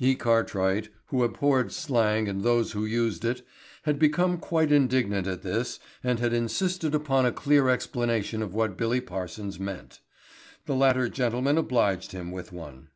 E. Cartwright, who abhorred slang and those who used it, had become quite indignant at this and had insisted upon a clear explanation of what Billy Parsons meant. The latter gentleman obliged him with one.